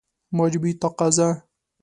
مجموعي تقاضا